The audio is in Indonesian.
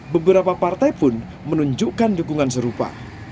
beberapa partai pun menunjukkan dukungan serupa